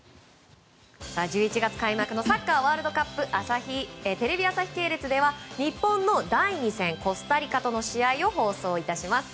１１月開幕のサッカーワールドカップテレビ朝日系列では日本の第２戦コスタリカとの試合を放送いたします。